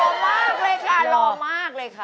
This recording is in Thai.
รอมากเลยค่ะรอมากเลยค่ะ